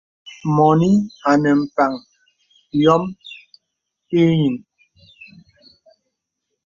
Mɔnì anə mpaŋ yòm ìyiŋ.